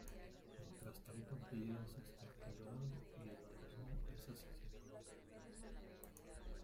Mientras tanto, Díaz es torturado y el ladrón es asesinado.